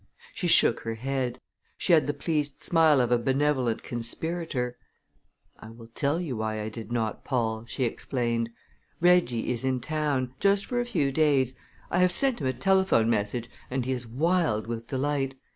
She shook her head. She had the pleased smile of a benevolent conspirator. "I will tell you why I did not, Paul," she explained. "Reggie is in town just for a few days. I have sent him a telephone message and he is wild with delight.